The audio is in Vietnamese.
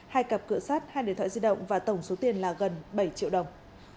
hai cặp cửa sát hai điện thoại di động và tổng số tiền là gần bảy triệu đồng